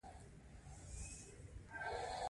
دوی په شدت سره د بې عدالتۍ احساس کوي.